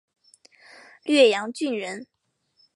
略阳郡人。